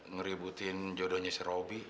ngeributin jodohnya si robi